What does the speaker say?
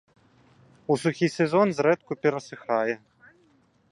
У сухі сезон зрэдку перасыхае.